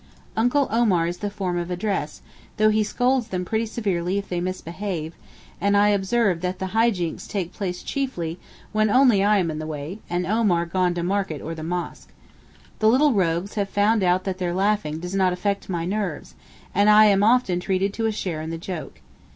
'Uncle Omar' is the form of address, though he scolds them pretty severely if they misbehave; and I observe that the high jinks take place chiefly when only I am in the way, and Omar gone to market or to the mosque. The little rogues have found out that their laughing does not 'affect my nerves,' and I am often treated to a share in the joke.